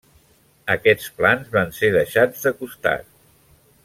Aquests plans van ser deixats de costat.